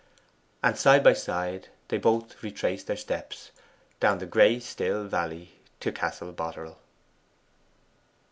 And side by side they both retraced their steps down the grey still valley to Castle Boterel.